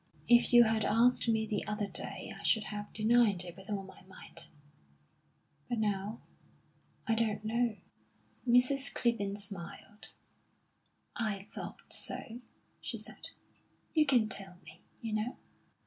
"If you had asked me the other day, I should have denied it with all my might. But now I don't know." Mrs. Clibborn smiled. "I thought so," she said. "You can tell me, you know."